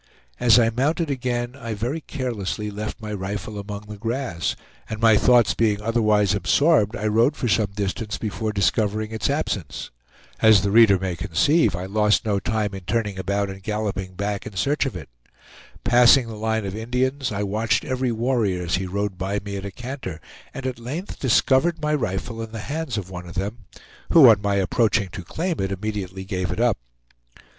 As I mounted again I very carelessly left my rifle among the grass, and my thoughts being otherwise absorbed, I rode for some distance before discovering its absence. As the reader may conceive, I lost no time in turning about and galloping back in search of it. Passing the line of Indians, I watched every warrior as he rode by me at a canter, and at length discovered my rifle in the hands of one of them, who, on my approaching to claim it, immediately gave it up.